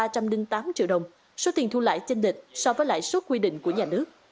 ba trăm linh tám triệu đồng số tiền thu lãi trên địch so với lãi suất quy định của nhà nước